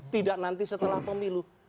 tidak nanti setelah pemilu